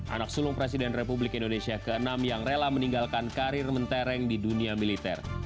anak sulung presiden republik indonesia ke enam yang rela meninggalkan karir mentereng di dunia militer